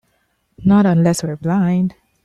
Not unless we're blind.